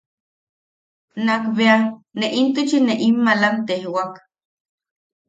Nak bea ne intuchi ne in malam tejwak.